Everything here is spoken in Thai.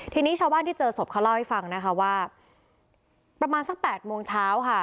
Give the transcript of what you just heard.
ทีนี้ชาวบ้านที่เจอศพเขาเล่าให้ฟังนะคะว่าประมาณสัก๘โมงเช้าค่ะ